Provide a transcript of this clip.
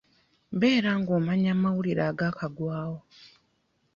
Beera ng'omanya amawulire agaakagwawo.